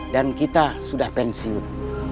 dan kita sudah pensiun